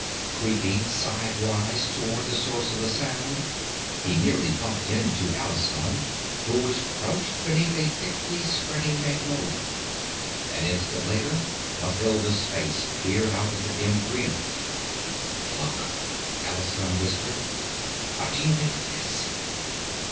Creeping sidewise toward the source of the sound, he nearly bumped into Alaskon, who was crouched beneath a thickly spreading magnolia. An instant later, Mathilda's face peered out of the dim greenery. "Look," Alaskon whispered. "What do you make of this?"